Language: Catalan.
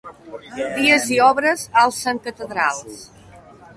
Dies i obres alcen catedrals.